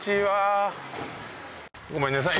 ・ごめんなさい